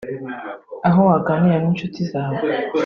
aho waganirira n’inshuti zawe